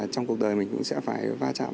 trong cuộc đời mình cũng sẽ phải va trạm